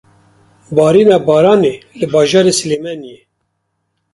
Barîna baranê li bajarê Silêmaniyê.